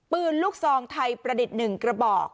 ปืนลูกซองไทยประดิษฐ์๑กระบอก